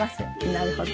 なるほど。